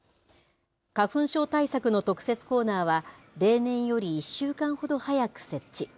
花粉症対策の特設コーナーは例年より１週間ほど早く設置。